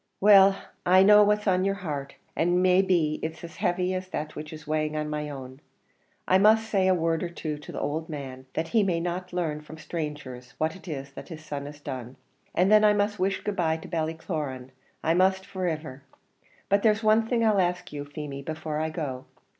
"Well! I know what's on your heart, and may be it's as heavy as that which is weighing on my own. I must say a word or two to the owld man, that he may not larn from sthrangers what it is his son has done; and then I must wish good bye to Ballycloran I trust for iver! But there's one thing I'll ask you, Feemy, before I go.